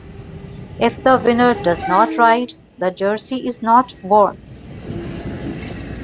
If the winner does not ride, the jersey is not worn.